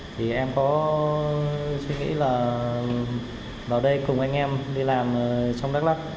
tôi nghĩ là vào đây cùng anh em đi làm trong đắk lắc